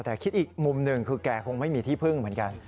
แต่คิดอีกมุมหนึ่งคือแกคงไม่มีที่พึ่งเหมือนกัน